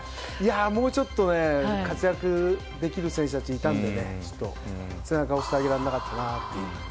もうちょっと活躍できる選手たちいたのでね、ちょっと背中を押してあげられなかったなと。